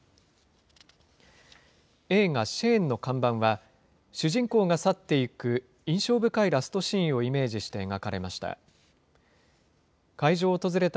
映画、シェーンの看板は、主人公が去っていく印象深いラストシーンをイメージして描かれました。